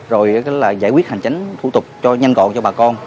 rồi là giải quyết hành chánh thủ tục cho nhanh gọn cho bà con